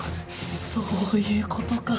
そういうことか。